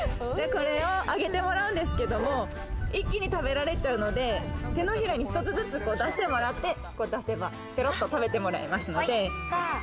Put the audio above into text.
これをあげてもらうんですけども、一気に食べられちゃうので、手のひらに一つずつ出してもらって、こう出せばぺろっと食べてもらえますので。